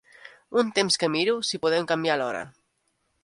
Un temps que miro si podem canviar l'hora.